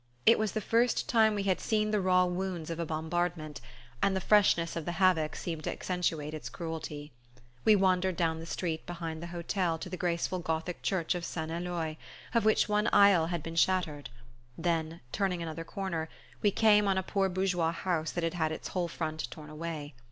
It was the first time we had seen the raw wounds of a bombardment, and the freshness of the havoc seemed to accentuate its cruelty. We wandered down the street behind the hotel to the graceful Gothic church of St. Eloi, of which one aisle had been shattered; then, turning another corner, we came on a poor bourgeois house that had had its whole front torn away.